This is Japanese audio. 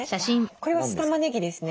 これは酢たまねぎですね。